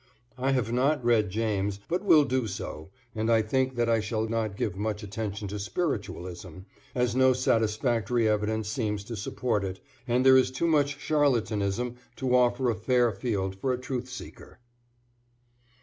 I have not read James; but will do so; and I think that I shall not give much attention to spiritualism, as no satisfactory evidence seems to support it, and there is too much charlatanism to offer a fair field for a truth seeker.